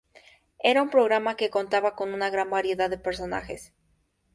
Era un programa que contaba con una gran variedad de personajes.